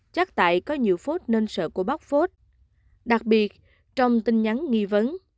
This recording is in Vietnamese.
đặc biệt trong tin nhắn nghi vấn